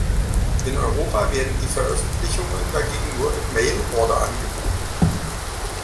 In Europa werden die Veröffentlichungen dagegen nur im Mailorder angeboten.